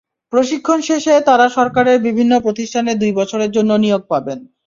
প্রশিক্ষণ শেষে তাঁরা সরকারের বিভিন্ন প্রতিষ্ঠানে দুই বছরের জন্য নিয়োগ পাবেন।